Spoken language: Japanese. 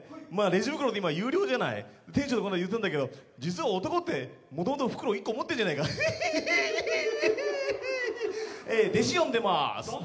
レジ袋って今有料じゃない店長には言ったんだけど実は男ってもともと袋を１個持ってるじゃないかヒヒヒヒえ弟子呼んでます